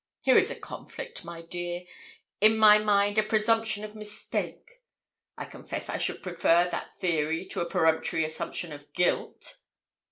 Here is a conflict, my dear in my mind a presumption of mistake. I confess I should prefer that theory to a peremptory assumption of guilt.'